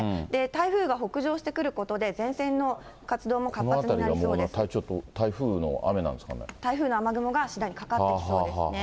台風が北上してくることで、このあたりはちょっと、台風の雨雲が次第にかかってきそうですね。